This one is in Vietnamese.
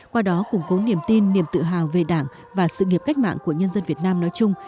qua đó củng cố niềm tin niềm tự hào về đảng và sự nghiệp cách mạng của nhân dân việt nam nói chung